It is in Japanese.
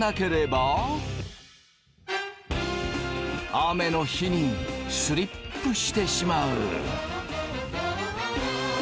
雨の日にスリップしてしまう。